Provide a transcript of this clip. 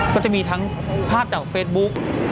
ก็จะมีทั้งภาพจากเฟซบุ๊ก